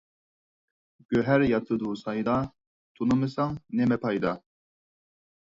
گۆھەر ياتىدۇ سايدا، تۇنۇمىساڭ نىمە پايدا.